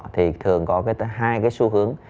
thì thường có hai cái xu hướng